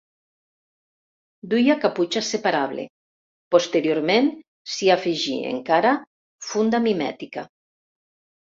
Duia caputxa separable; posteriorment s'hi afegí, encara, funda mimètica.